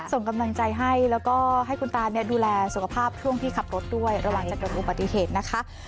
ส่งกำลังใจให้แล้วก็ให้คุณตาเนี่ยดูแลสุขภาพช่วงที่ขับรถด้วยระวังจะเกิดอุบัติเหตุนะคะ